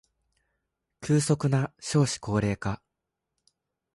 急速な少子高齢化